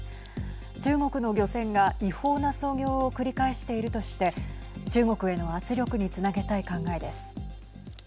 中国の漁船が違法な操業を繰り返しているとして中国への圧力につなげたい考えです。